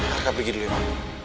arka pergi dulu ya